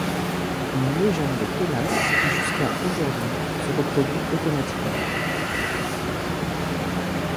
Une légende tenace, qui jusqu'à aujourd'hui se reproduit automatiquement.